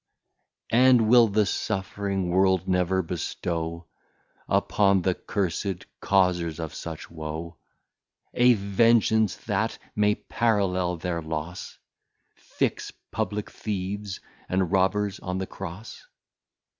} And will the Suffering World never bestow Upon th'Accursed Causers of such Woe, A vengeance that may parallel their Loss, Fix Publick Thieves and Robbers on the Cross?